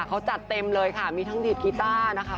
เขาจัดเต็มเลยค่ะมีทั้งดีดกีต้านะคะ